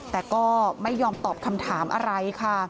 แต่ก็ไม่ยอมตอบคำถามอะไรค่ะ